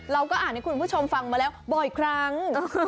เราก็อ่านให้คุณผู้ชมฟังมาแล้วบ่อยครั้ง